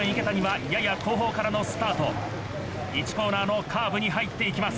１コーナーのカーブに入って行きます。